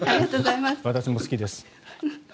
私も好きです。